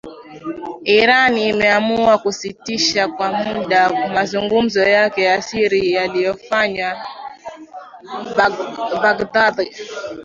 Iran imeamua kusitisha kwa muda mazungumzo yake ya siri yaliyofanywa Baghdad.